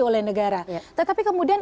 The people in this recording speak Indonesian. oleh negara tetapi kemudian